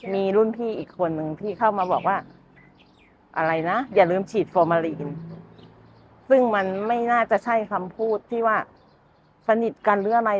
มีรุ่นพี่อีกคนมาบอกว่าอย่าลืมฉีดซึ่งมันไม่น่าจะใช่คำพูดสนิทกันหรืออะไร